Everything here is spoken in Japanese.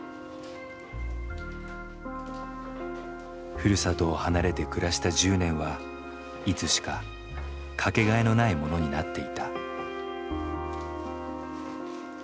ふるさとを離れて暮らした１０年はいつしかかけがえのないものになっていた。